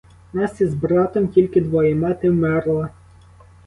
Нас із братом тільки двоє, мати вмерла.